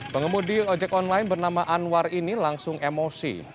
pengemudi ojek online bernama anwar ini langsung emosi